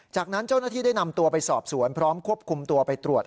จากนั้นเจ้าหน้าที่ได้นำตัวไปสอบสวนพร้อมควบคุมตัวไปตรวจ